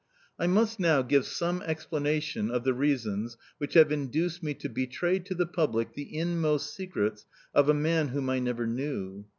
I must now give some explanation of the reasons which have induced me to betray to the public the inmost secrets of a man whom I never knew.